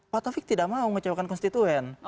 pak taufik tidak mau mengecewakan konstituen